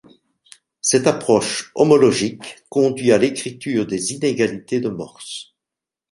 Cette approche homologique conduit à l'écriture des inégalités de Morse.